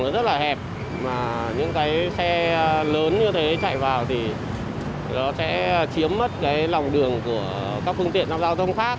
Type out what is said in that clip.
nó rất là hẹp mà những cái xe lớn như thế chạy vào thì nó sẽ chiếm mất cái lòng đường của các phương tiện giao thông khác